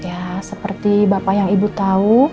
ya seperti bapak yang ibu tahu